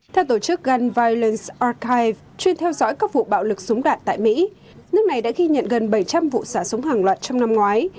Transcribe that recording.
theo tổ chức gand villand arkine chuyên theo dõi các vụ bạo lực súng đạn tại mỹ nước này đã ghi nhận gần bảy trăm linh vụ xả súng hàng loạt trong năm ngoái